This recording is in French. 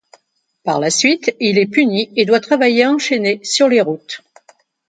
Par la suite, il est puni et doit travailler enchaîné sur les routes.